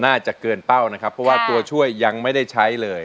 น่าจะเกินเป้านะครับเพราะว่าตัวช่วยยังไม่ได้ใช้เลย